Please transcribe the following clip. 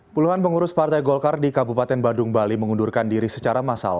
puluhan pengurus partai golkar di kabupaten badung bali mengundurkan diri secara massal